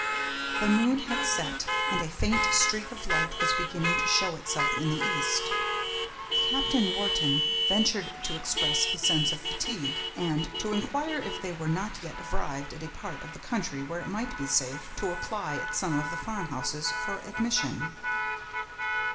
The moon had set, and a faint streak of light was beginning to show itself in the east. Captain Wharton ventured to express a sense of fatigue, and to inquire if they were not yet arrived at a part of the country where it might be safe to apply at some of the farmhouses for admission.